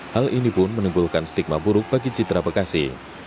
hal ini pun menimbulkan stigma buruk bagi citra bekasi